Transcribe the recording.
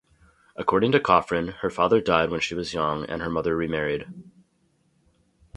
According to Cofran, her father died when she was young and her mother remarried.